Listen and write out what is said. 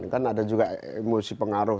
kan ada juga emosi pengaruh